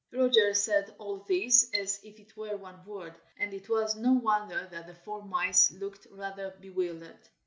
Roger said all this as if it were one word, and it was no wonder that the four mice looked rather bewildered.